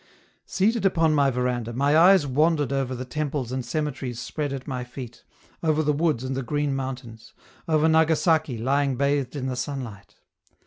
Seated upon my veranda, my eyes wandered over the temples and cemeteries spread at my feet, over the woods and the green mountains, over Nagasaki lying bathed in the sunlight.